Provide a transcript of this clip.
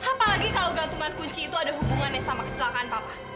apalagi kalau gantungan kunci itu ada hubungannya sama kecelakaan papa